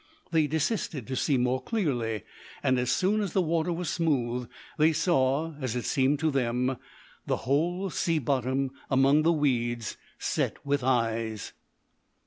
They desisted to see more clearly, and as soon as the water was smooth, they saw, as it seemed to them, the whole sea bottom among the weeds set with eyes.